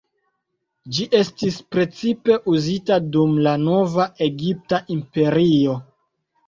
Ĝi estis precipe uzita dum la Nova Egipta Imperio.